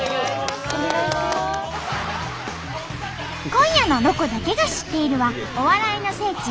今夜の「ロコだけが知っている」はお笑いの聖地